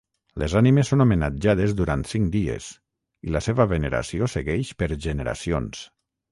Les animes són homenatjades durant cinc dies i la seva veneració segueix per generacions.